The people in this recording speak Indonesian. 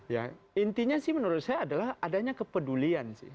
ya intinya sih menurut saya adalah adanya kepedulian sih